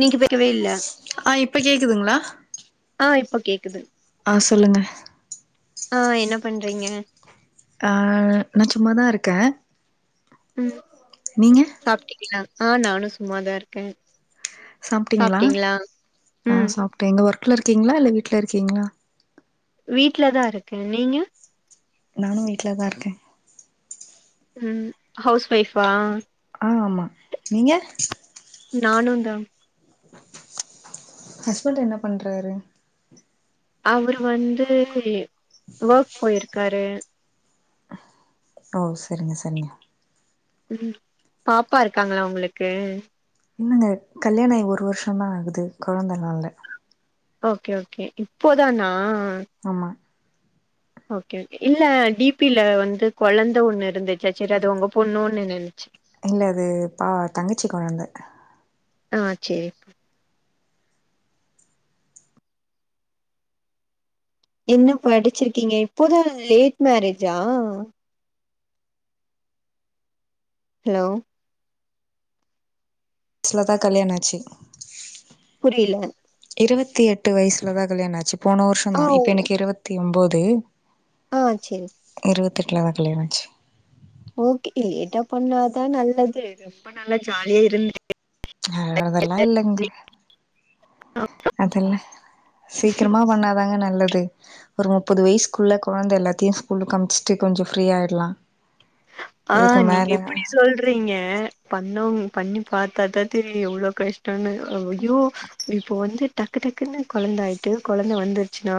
நீங்க கேக்கவே இல்ல ஆ இப்ப கேக்குதுங்ளா ஆ இப்ப கேக்குது ஆ சொல்லுங்க ஆஹ் என்ன பண்றீங்க ஆஹ் நா சும்மாதா இருக்கே உம் நீங்க சாப்ட்டிங்கலா ஹா நானு சும்மாதா இருக்கே சாப்ட்டீங்களா ஆ ம் சாப்ட்டே எங்க ஒர்க்ல இருக்கீங்ளா இல்ல வீட்ல இருக்கீங்ளா வீட்ல தா இருக்கே நீங்க நானு வீட்லதா இருக்கே ம் ஹவுஸ் ஒய்ஃபா ஆ ஆமா நீங்க நானு தா ஹஸ்பண்ட் என்ன பண்றாரு அவுரு வந்து ஒர்க் போயிருக்காரு ஓ செரிங்க செரிங்க ம் பாப்பா இருக்காங்களா உங்களுக்கு இல்லங்க கல்யாணோ ஆயி ஒரு வருஷதா ஆகுது கொழந்தலா இல்ல ஓகே ஓகே இப்போதானா ஆமா ஓகே ஓகே இல்ல டிபில வந்து கொழந்த ஒண்ணு இருந்துச்சு சரி அது உங்க பொண்ணோனு நெனச்சே இல்ல அது பா தங்கச்சி கொழந்த ஆ சேரி என்ன படிச்சிருக்கீங்க இப்போதா லேட் மேர்ரேஜா ஹலோ ஸ்ட்டுல தா கல்யாணாச்சி புரியில்ல இருவத்தி எட்டு வயசுலதா கல்யாணாச்சு போன வருஷோ ஆ தா ஓ இப்ப எனக்கு இருவத்தி ஒம்போது ஆஹ் சேரி இருவத்தெட்ல தா கல்யாணோ ஆச்சு ஓகே லேட்டா பண்ணாதா நல்லது ரொம்ப நல்லா ஜாலியா இருந்து அதெல்லா இல்லிங்க அது இல்ல சீக்கிரமா பண்ணாதாங்க நல்லது ஒரு முப்பது வயிஸ்குள்ள குழந்த எல்லாத்தியு ஸ்கூலுக்கு அம்ச்சிட்டு கொஞ்சோ ஃப்ரீயாயிட்லா ஆஹ் நீங்க எப்டி சொல்றீ இருக்கிறீங்க பண்ணவுங்க பண்ணி பாத்தா தா தெரியு எவ்ளோ கஷ்டோனு ஐயோ இப்போ வந்து டக்கு டக்குன்னு குழந்த ஆயிட்டு குழந்த வந்துருச்சுன்னா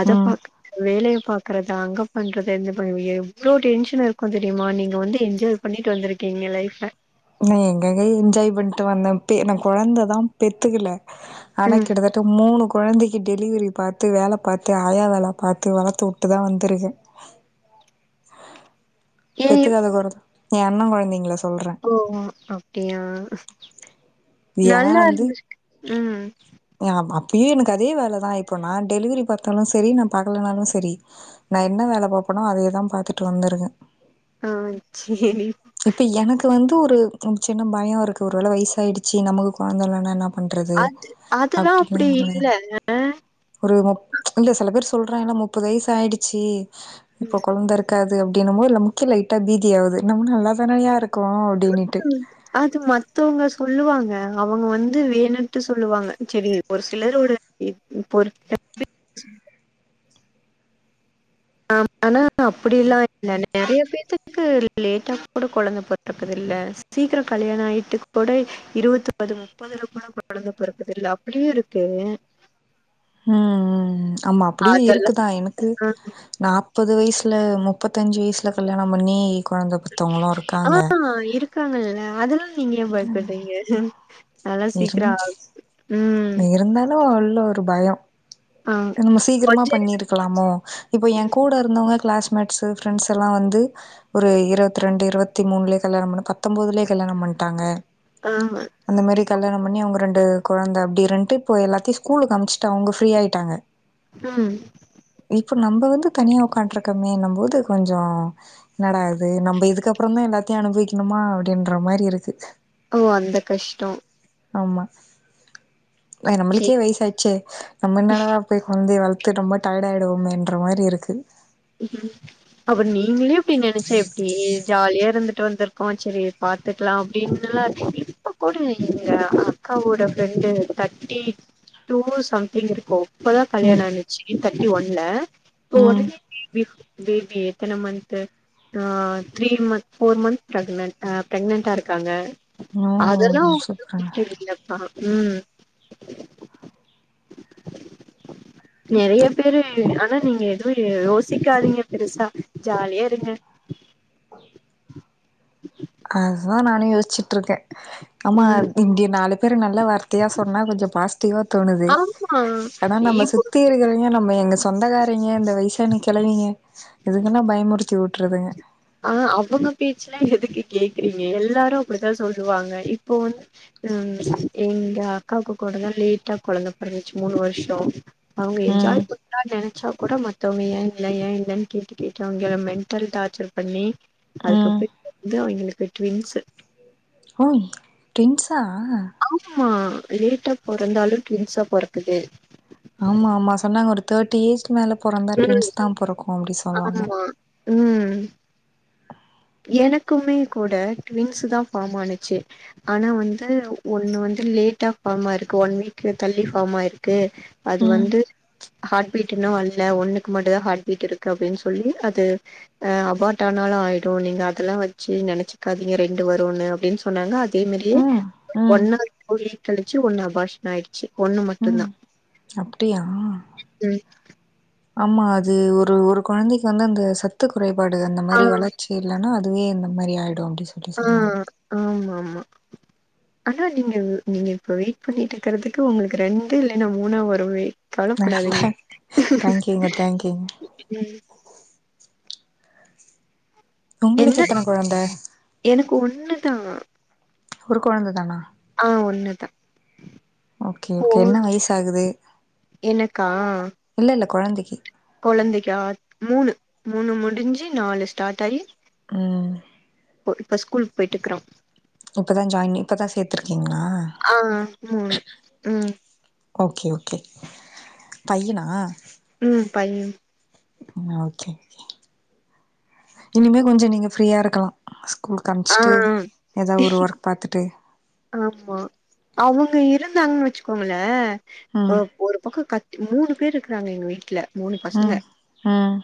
அத ம் பாக் வேலய பாக்குறதா அங்க பண்றதா இங்க பண்ணியே எவ்ளோ டென்ஷன்னு இருக் கொஞ்சோ டிமான்டிங் நீங்க வந்து என்ஜாய் பண்ணிட்டு வந்திருக்கீங்க லைஃப்ப நா எங்கங்க என்ஜாய் பண்ணிட்டு வந்தே பே நா குழந்ததா பெத்துக்குல்ல ஆனா ம் கிட்டத்தட்ட தொ மூணு கொழந்தைக்கி டெலிவரி பாத்து வேல பாத்து ஆயா வேல பாத்து வளத்து உட்டு தா வந்துருக்க ஏ பெத்துக்காதகுற ஏ அண்ண கொழந்தைங்கள சொல்ற ஓ ஓ அப்டியா நல்லா இருந்துச்சு ம் ஹ அப்பியே எனக்கு அதே வேலதா இப்போ நா டெலிவரி பாத்தாலு செரி நா பாக்கனாலு செரி நா என்ன வேல பாப்போனோ அதேதா பாத்துட்டு வந்துருக்க ஆ சேரி இப்ப எனக்கு வந்து ஒரு சின்ன பயோ இருக்கு ஒரு வேள வைஸ் ஆயிடுச்சி நம்பலுக்கு கொழந்த இல்லனா என்னா பண்றது அதல்லா அப்டிலா அப்டி ஒரு இல்ல ஒரு மூப் இல்ல சில பேர் சொல்றாங்கன்னா முப்பது வெய்சு ஆயிடுச்சு இப்ப ம். கொழந்த இருக் காது அப்டின்னு போது நமக்கே லைட்டா பீதி ஆவுது நம்ம நல்லாதானயா இருக்கோ அப்டின்னிட்டு அது மத்தவங்க சொல்லுவாங்க அவுங்க வந்து வேணுண்ட்டு சொல்லுவாங்க செரி ஒரு சிலரோட [unintelligible] ஆம் ஆனா அப்டில்லா இல்ல நெறைய பேத்துக்கு லேட்டா கூட கொழந்தை பெற ந்துருக்குதில்ல சீக்கிரோ கல்யாணோ ஆயிட்டு கூட இருபத்து ஒன்பது முப்பதுல கூட கொழந்த பெறக்குதுல அப்டியு இருக்கு ம் ம் ஆமா அப்டியு இருக்கு அதெல்லாம் தா எனக்கு நாப்பது வெயிசுல முப்பத்தஞ்சி வெயிசுல கல்யாணோ பண்ணி கொழந்த பெத்தவங்களு இருக்காங்க இருக்றாங்கல்ல அதெல்லா நீங்க ஏ பயப்பிறீங்க அதெல்லா சீக்கிரோ ஆகும் ம். நீ இருந்தாலு உள்ள ஒரு பயோ ஆ நம்ம சீக்கிரமா கொஞ்ச பண்ணியிருக் ருக்கலாமோ இப்ப ஏ கூட இருந்தவுங்க கிளாஸ்மேட்ஸ்சு ஃப்ரண்ட்ஸ்சு எல்லா வந்து ஒரு இருவத்ரெண்டு இருவத்தி மூண்லே கல்யாணோ பண்ணி பத்தொம்போதுலே கல்யாணோ பண்ட்டாங்க [unintelligible] அந்த மேரி கல்யாணோ பண்ணி அவுங்க ரெண்டு கொழந்த அப்டி இருன்டுக் இப்போ எல்லாத்தியு ஸ்கூலுக்கு அமுச்சிட்டு அவுங்க ஃப்ரீயாயிட்டாங்க பிளான் இப்ப நம்ப வந்து தனியா உக்காண்ட்ருக்கமேபோது கொஞ்சோ என்னாடா இது நம்ப இதுக்கப்றதா எல்லாத்தையு அனுபவக்கினுமா அப்டின்ற மாரி இருக்கு ஓ அந்தக் கஷ்டோ ஆமா நம்மளுக்கே சேரி வெயிசு ஆய்ச்சே நம்ம என்னடா போய் கொழந்தைய வளத்து ரொம்ப டையட் ஆயிடுவோன்ற மாரி இருக்கு அப்றோ நீங்களே இப்டி நெனைச்சா எப்டி ஜாலியா இருந்துட்டு வந்திருக்கோ செரி பாத்துக்குலா அப்டின்னுள்ளா கூட நீங்க அக்காவோட ஃப்ரெண்டு தட்டி டூ சம்திங் இருக்கு இப்பதா ம் கல்யாணோ ஆனுச்சு தேட்டி ஒன்ல இப்ப ம் ஒடனே பேபி பேபி எத்தன மன்ந்த்து ஆ three month four months pregnant ப்ரெக்னன்ட்டா இருக்காங்க அதெல்லா ம் ஒன்னு சூப்பருங்க பிரச்சன இல்லப்பா ம் நெறைய பேரு ஆனா நீங்க எதோ யோசிக்காதீங்க பெருசா ஜாலியா இருங்க அதா நானு யோசிச்சுட்டுருக்கே ஆமா ம் இங்க நாலு பேரு நல்ல வார்த் தையா சொன்னா கொஞ்சோ பாசிட்டிவா தோணுது ஆமா ஏனா நம்ம இப்போ சுத்தி இருக்கிற ஏ நம்ம எங்க சொந்தக்காரிங்க இந்த வயசான கெழவிங்க இதுங்கெல்லா பயமுறுத்தி வுட்றுதுங்க ஆ அவங்க பேச்சல்லா எதுக்கு கேக்குறீங்க எல்லாரு அப்டித்தா சொல்லுவாங்க இப்போ வந்து ம் எங்க அக்காக்கு கூடத்தா லேட்டா கொழந்த பொறந்துச்சு மூணு வருஷோ அவுங்க ம் என்ஜாய் நா நெனச்சா கூட மத்தவுங்க ஏன் இல்ல ஏன் இல்லன் கேட்டு கேட்டு அவுங்ள மெண்ட்டல் டார்ச்சர் பண்ணி ம் அதுக்கப்றமேட்டு தா அவிங்களுக்கு ட்வின்ஸ்சு ஹோய் ட்வின்ஷா ஆமா லேட்டா பொறந்தாலு ட்வின்ஸா பொறக்குது ஆமா ஆமா சொன்னாங்க ஒரு தேர்ட்டி ஏஜ்ட் மேலே பொறந்தா ட்வின்ஸ் தா பொறக்கு அப்டி சொன்னாங்க ஆமா ம் எனக்குமே கூட ட்வின்ஸ் தா ஃபார்ம் ஆனுச்சு ஆனா வந்து ஒண்ணு வந்து லேட்டா ஃபார்மாயிருக்கு ஒன் வீக்கு தள்ளி ஃபார்மாயிருக்கு அது ம் வந்து ஹார்ட்பீட் இன்னு வல்ல ஒண்ணு க்கு மட்டுதா ஹார்ட் பீட் இருக்கு அப்டின் சொல்லி அது அபார்ட் ஆனாலு ஆயி ரு நீங்க அதெல்லா வச்சி நெனச்சிக்காதீங்க ரெண்டு வருன்னு அப்டின் சொன்னாங்க அதே மாரியே ம் ம் ஒண்ணு [inaudible] கழிச்சு ஒண்ணு அபாஷன் ஆயிடுச்சு ஒண்ணு ம் மட்டுதா அப்டியா ஆமா அது ஒரு ஒரு கொழந்தைக்கு வந்து அந்த ச த்து குறைபாடு அந்த ஆ மாரி வளர்ச்சி இல்லனா அதுவே இந்த மாரி ஆயிடு அப்டி சொ ஆ ஆம்மாமா ஆனா நீங்க நீங்க இப்ப வெயிட் பண்ணிட்டுருக்கறதுக்கு உங்களுக்கு ரெண்டு இல்லன்னா மூணா வருமே கவலப்படாதீங்க தேங்க் தேங்க்யூங்க தேங்க்யூங்க ம் உங்களுக்கு என்ன எத்தன கொழந்த எனக்கு ஒண்ணுதா ஒரு கொழந்த தானா ஆ ஒண்ணுதா ஓகே ஓகே என்ன வயசாகுது எனக்கா இல்ல இல்ல கொழந்தைக்கு கொழந்தைக்கா மூணு மூணு முடிஞ்சி நாலு ஸ்டார்ட் ஆயி ம் இப்போ இப்ப ஸ்கூல் போயிட்டுக்குறா இப்ப தா ஜாயின் இப்ப தா சேத்துருக்கீங்ளா ஆ ம் ம் ஓகே ஓகே பையனா ம் பையன் ம் ஓகே இனிமே கொஞ்ச நீங்க ஃப்ரீயா இருக்கலா ஸ்கூலுக் ஆ அமிச்சிட்டு எதா ஒரு ஒர்க் பாத்துட்டு ஆமா அவுங்க இருந்தாங்கன் வச்சுக்கோங்ள ம் ஒரு பக்கம் கத் மூணு பேர் இருக்றாங்க எங்க வீட்ல மூணு பசங்க ம் ம்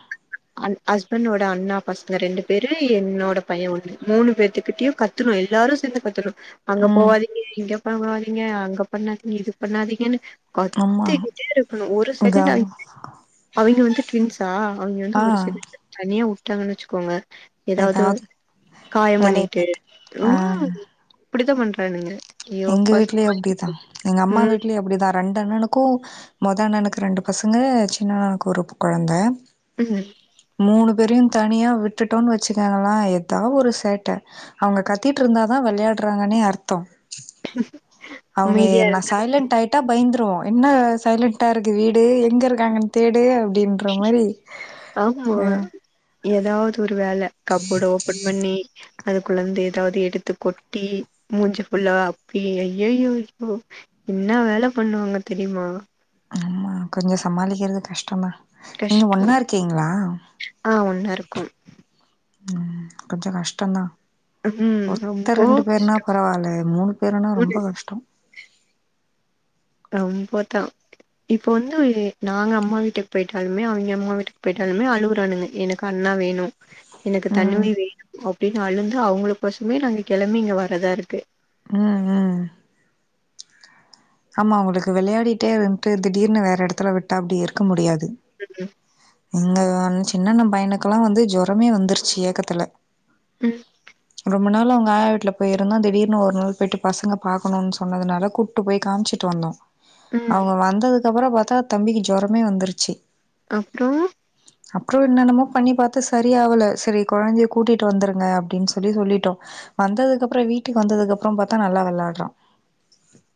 அ ஹஸ்பண்டோட அண்ணா பசங்க ரெண்டு பேரு என்னோட பையன் ஒன்னு மூணு பேத்துக்கிட்டயு கத் கத்துவ எல்லாரு சேந்து கத்தனு அங்க ம் போவாதீங்க இங்க போவாதீங்க அங்க பண்ணாதீங்க இது பண்ணாதீங்கன்னு ஆமா கத்திகிட்டே இருக்கணு ஒரு செகண்ட்டு கவ் ஆயி அவிங்க வந்து ட்வின்ஸா அவிங்க வந்து ஆ ஒரு செட்டு தனியா விட்டாங்கன் வச்சுக்கோங்க ஏதாவுது ஏதாவது காயம் வேலைய பண்ணிட்டு பாத்து ஆ ம் அப்டித்தா பண்றானுங்க ஐயோ எங்க அப்பா வீட்லியு அப்டிதா எங்க அம்மா ம் வீட்லியு அப்டிதா சண்ட நடக்கு மொத அண்ணனுக்கு ரெண்டு பசங்க சின்ன அண்ணாக்கு ஒரு கொழந்த ம் மூணு பேரியு தனியா விட்டுட்டோன் வச்சுக்கங்களா ஏதா ஒரு சேட்ட அவுங்க கத்திட்டு இருந்தாதா விளையாட்றாங்கன்னே அர்த்தோம் அவங்க அமைதியா என்ன இருங்க சைலண்ட் ஆயி ட்ட பயந்துருவோ என்ன சைலண்டா இருக்கு வீடு எங்க இருக்காங்கன்னு தேடு அப்டின் ட்ற மாரி அ ஆமா ஏதாவது ஒரு வேல கப்போர்ட ஓபன் பண்ணி அது குள்ள ஏதாவது எடுத்து கொட்டி மூஞ்சு ஃபுள்ள அப்பி ஐயையோ யோ என்ன வேல பண்ணுவாங்க தெரியுமா ஆமா கொஞ்ச சமாளிக்கிறது கஷ்டம் தான் நீங்க கஷ்டோ ஒன்னா இருக்கீங்களா ஆ ஒன்னா இருக்கோம் ம் கொஞ்ச கஷ்டம் தான் ம் ஒத்த ரொம்ப ரெண்டு பேருனா கஷ்டோ பரவாயில்ல மூணு பேருனா ரொம்ப கஷ்டம் ரொம்பதா இப்ப வந்து நாங்க அம்மா வீட்டுக்கு போயிட்டாலுமே அவங்க அம்மா வீட்டுக்கு போயிட்டாலுமே அழுவரானுங்க என கண்ணா வேணு எனக்கு ம் தணுவி வேணும் அப்டின்னு அழுந்து அவங்களுக்கு பசமே நாங்க கிளம்ப இங்க வர்தா இருக்கு ம் ம் ஆமா அவங்களுக்கு வெளையாடிட்டே இருந்துட்டு திடீர்னு வேற இடத்துல விட்டா அப்டி இருக்க முடியாது ம் எங்க சின்ன அண்ணா பையனுக்கெல்லாம் வந்து ஜெரமே வந்துருச்சு ஏக்கத்துல ம் ரொம்ப நாள் அவங்க ஆயா வீட்ல போய இருந்தா திடீர்னு ஒரு நாள் போயிட்டு பசங்க பாக்கணும்னு சொன்னதுனால கூட்டு போய் காமிச்சுட்டு வந்தோம் ம் அவங்க வந்ததுக்கு அப்பறம் பாத்தா தம்பிக்கு ஜெரமே வந்துருச்சு அப்றோம் அப்றோ என்னென்னமோ பண்ணி பாத்து சரியா ஆவல சரி ஆவல கொழந்தைய கூட்டிட்டு வந்துருங்க அப்டின்னு சொல்லி சொல்லிட்டோம் வந்தது கப்பறம் வீட்டுக்கு வந்ததுக்கு அப்பறம் பாத்தா நல்லா வெளாடுறா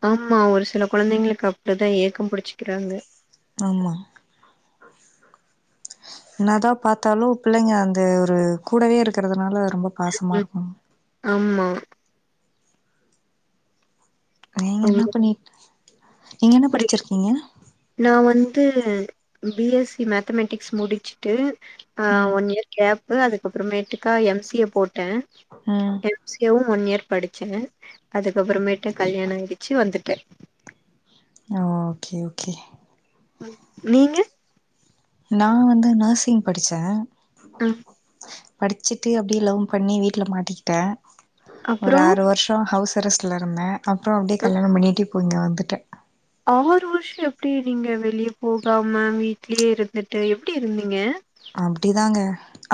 ஆமா ஒரு சில கொழந்தைங்களுக்கு அப்டி தான் ஏக்கம் பிடிச்சிக்கிறாங்க ஆமா என்ன தான் பாத்தாலும் பிள்ளைங்க அந்த ஒரு கூடவே இருக்கிறதுனால அது ரொம்ப பாசமாக ம். இருக்கும் ஆமா நீங்க என்ன உங்களுக்கு பண்ணி நீங்க என்ன புரியுது. படிச்சிருக்கீங்க நான் வந்து பி எஸ்‌ சி மேத்தமெட்டிக்ஸ் முடிச்சுட்டு ஹ ம் ஒன் இயர் கேப்பு அதுக்கு அப்பறமேட்டுக்கா எம் சி யே போட்டேன் ம் எம் சி யே வும் ஒன் இயர் படிச்சேன் அதுக்கு அப்பறமேட்டு கல்யாணம் ஆயிடுச்சு வந்துட்டேன் ஹ ஓகே ஓகே நீங்க நான் வந்து நெர்சிங் படிச்சேன் ம் படிச்சுட்டு அப்டியே லவ் பண்ணி வீட்ல மாட்டிக்கிட்டேன் ஒரு அப்புறம் ஆறு வருஷம் அப்றோ ஹவுஸ் அரஸ்டிலா இருந்தேன் அப்றோ அப்டியே கல்யாண பண்ணிட்டு இப்ப இந்த வந்துட்ட ஆறு வருஷம் எப்டி நீங்க வெளியே போகாம வீட்லயே இருந்துட்டு எப்டி இருந்தீங்க அப்டிதாங்கே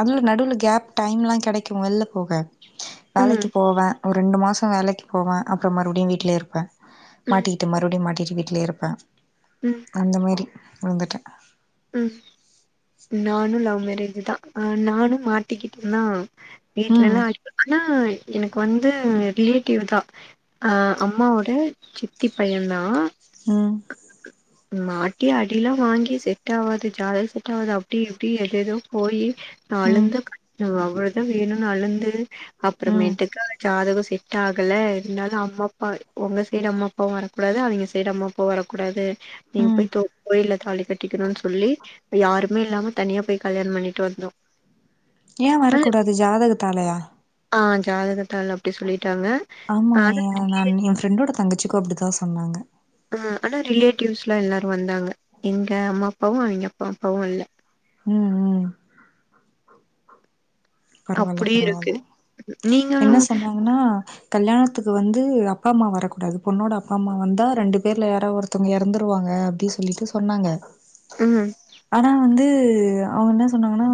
அதுல நடுவுல கேப் டைம்லாம் கிடைக்கும் வெள்ல போக வேலைக்கு ம், போவேன் ஒரு ரெண்டு மாசம் வேலைக்கு போவேன் அப்பறம் மறுபடியும் வீட்லே இருப்பேன் ம், மாட்டிக்கிட்டு மறுபடியும் மாட்டிட்டு வீட்டிலயே இருப்பேன் ம், அந்த மாரி இர்ந்துட்டேன் ம் நானும் லவ் மேரேஜ் தான் ஆ நானும் மாட்டிக்கிட்டனா ம் வீட்லயெல்லா ஆடிப் ஆனா எனக்கு வந்து ரிலேட்டிவ் தான் அம்மாவோட சித்தி பையன் தான் ம் மாட்டி அடியிலா வாங்கி செத் ட்டடாவாது ஜாத செட்டாவாது அப்டி இப்டி எதெதோப் போயி நா ம் அழுந்த கண் நா வவர்தா வேணுனு அழுந்து அப்ற ம் மேட்டுக்கா ஜாதகோ செட் டாகல இருந்தாலு அம்மா அப்பா ஒங்க சைடு அம்மா அப்பாவு வரக்கூடாது அவிங்க சைடு அம்மா அப்பா வரக்கூடாது நீங் ம் போயித்தோ கோயில்ல தாலிகட் ட்டிகினுன் சொல்லி யாருமே இல்லாம தனியா போய் கல்யாண் பண்ணிட்டு வந்தோ ஏ ஆ வரக்கூடாது ஜாதகத்தாலையா ஆ ஜாதகத்தால அப்டி சொல்லிட்டாங்க ஆன எங்க அண்ணி [unintelligible] ஃபிரண்டோட தங்கச்சிக்கு அப்டிதா சொன்னாங்க ஆ ஆனா ரிலேட்டிவ்ஸ்லா எல்லாரு வந்தாங்க எங்க அம்மா அப்பாவு அவிங்க அப்பா அப்பாவு வல்ல ம் ம் பரவால்ல பரவால்ல நீங்க என்ன சொன்னாங்கனா கல்யாணத்துக்கு வந்து அப்பா அம்மா வரக்கூடாது பொண்ணோட அப்பா அம்மா வந்தா ரெண்டு பேர்ல யாராவ் ஒருத் த்துங்க எறந்துருவாங்க அப்டி சொல்லிட்டு சொன்னாங்க ம் ஆனா வந்து அவுங்க என்னச் சொன்னாங்கனா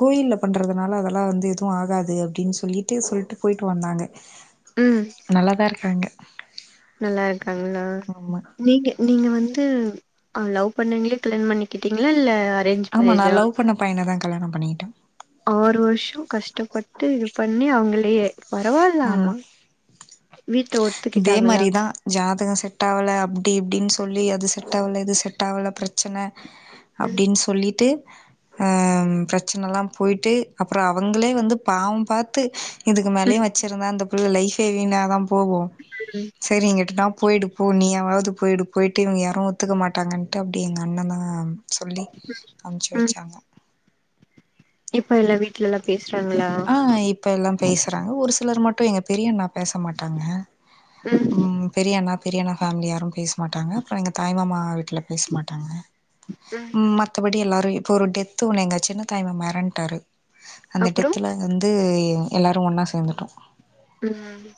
கோயில்ல பண்றதனால அதலா வந்து எதுவு ஆகாது அப்டின் சொல்லிட்டு சொல்ட் ட்டு போயிட்டு வந்தாங்க ம் நல்லாதா இருக்காங்க நல்லா இருக்காங்களா ஆமா நீங்க நீங்க வந்து அ லவ் பண்ணிங்ளே கல்யாண் பண்ணிகிட்டீங்ளா இல்ல அ ஆமா நா லவ் பண்ண பைனதா கல்யாணம் பண்ணிகிட்டே ஆறு வருஷோ கஷ்டப்பட்டு இதுப் பண்ணி அவுங்களையே பரவால்லா ஆமா வீட்ல ஒத்துகிட்டாங்களா ஜாதகோ செட்டாவல அப்டி இப்டின் சொல்லி அது செட்டாவல இது செட்டாவல பிரச் ச்சன ம் அப்டின் சொல்லிட்டு அ பிரச்சனலாம் போயிட்டு அப்றோ அவுங்களே வந்து பாவம் பாத்து இதுக்கு ம் மேலயு வெச்சுருந்தா இந்த புள்ள லைஃபே வீணாதாம் போவு ம் செரிங்கிட்டுடாம் போயிடுப் போ நீயாவாவுது போயிடு போய்ட்டு இவுங்க யாரு ஒத்துக்க மாட்டாங்கன்ட்டு அப்டே எங்க அண்ணதாங்கம் சொல்லி அம்ச்சு ம் வெச்சாங்க இப்ப எல்லா வீட்லல்லாப் பேச்றாங்ளா ஆ இப்ப எல்லாம் பேசறாங்க ஒரு சிலர் மட்டு எங்க பெரியண்ணா பேசமாட்டாங்க ம் ம் பெரியண்ணா பெரியண்ணா ஃபேம்லி யாரும் பேசமாட்டாங்க அப்றோ எங்க தாய் மாமா வீட்ல பேசமாட்டாங்க ம் மத்தபடி எல்லாரு இப்ப ஒரு டெத்து ஒன்னு எங்க சின்னத் தாய் மாமா எறன்ட்டாரு அந்த டெத் அப்றோ அந்து எல்லாரு ஒன்னா சேந்துட்டோ ம்